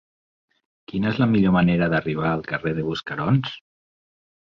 Quina és la millor manera d'arribar al carrer de Buscarons?